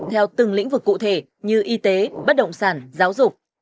theo từng lĩnh vực cụ thể như y tế bất động sản giáo dục